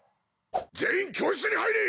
全員教室に入れ！